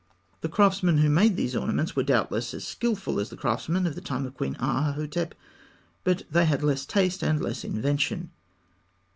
The craftsmen who made these ornaments were doubtless as skilful as the craftsmen of the time of Queen Aahhotep, but they had less taste and less invention.